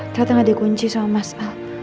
ternyata gak ada kunci sama mas al